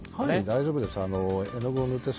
大丈夫です。